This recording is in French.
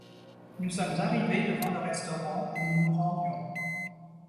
Nous sommes arrivés devant le restaurant où nous nous rendions.